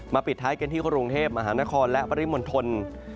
ปิดท้ายกันที่กรุงเทพมหานครและปริมณฑล